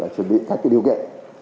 cái điều kiện